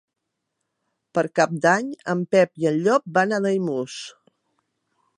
Per Cap d'Any en Pep i en Llop van a Daimús.